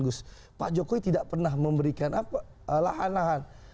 gus pak jokowi tidak pernah memberikan apa perkara terakhir berikutnya pak jokowi tidak pernah memberikan apa